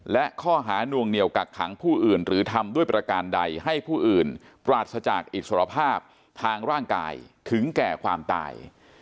และข้อหานวงเหนียวกักขังผู้อื่นหรือทำด้วยประการใดให้ผู้อื่นปราศจากอิสรภาพทางร่างกายถึงแก่ความตาย